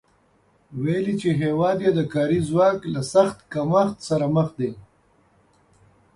ویلي چې هېواد یې د کاري ځواک له سخت کمښت سره مخ دی